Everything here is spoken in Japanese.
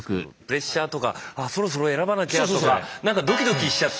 プレッシャーとかそろそろ選ばなきゃとかなんかドキドキしちゃったり。